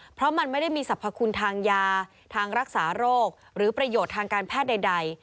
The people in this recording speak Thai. เพราะมันไม่ได้มีสรรพคุณทางยาทางรักษาโรคหรือประโยชน์ทางการแพทย์ใด